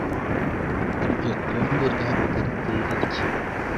Iryo tonde ryabaga riteye ritya: